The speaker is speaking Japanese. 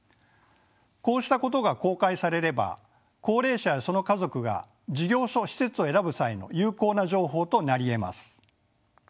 こうしたことが公開されれば高齢者やその家族が事業所・施設を選ぶ際の有効な情報となりえます。